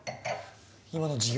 今の事業